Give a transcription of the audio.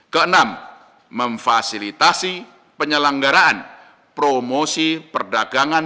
keenam memfasilitasi penyelenggaraan promosi perdagangan